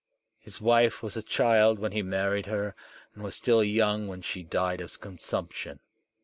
His wife was a child when he married her, and was still young when she died of consumption.